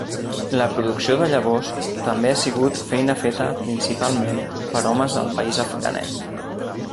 La producció de llavors també ha sigut feina feta principalment per homes al país afganès.